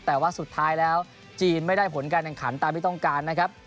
แต่ว่าสุดท้ายแล้วจีนไม่ได้ผลการแข่งขันตามที่ต้องการนะครับ